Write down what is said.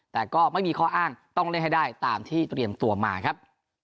แต่ก็ไม่มีข้ออ้างต้องเล่นให้ได้ตามที่เตรียมตัวมาครับ